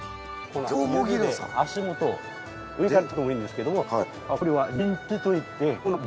足元上からとってもいいんですけどもこれはリンピといって。